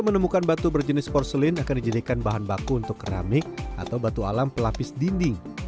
menemukan batu berjenis porselin akan dijadikan bahan baku untuk keramik atau batu alam pelapis dinding